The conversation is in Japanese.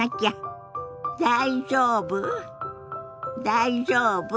「大丈夫？」。